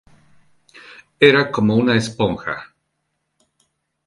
Era como una esponja.